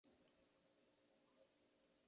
Está situada en la costa norte de Toscana.